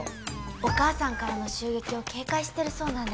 お母さんからの襲撃を警戒してるそうなんです。